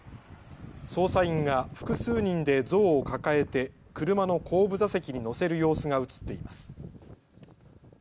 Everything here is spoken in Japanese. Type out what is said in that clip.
捜査員が複数人で像を抱えて車の後部座席に乗せる様子が写っています。